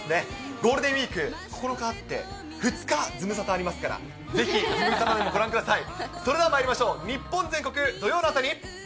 ゴールデンウィーク、９日あって、２日ズムサタありますから、ぜひ、ズムサタご覧ください。